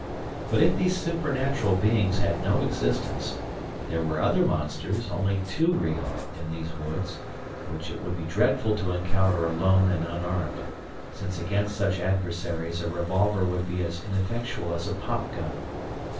But if these supernatural beings had no existence, there were other monsters, only too real, in these woods which it would be dreadful to encounter alone and unarmed, since against such adversaries a revolver would be as ineffectual as a popgun.